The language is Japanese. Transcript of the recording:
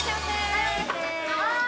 はい！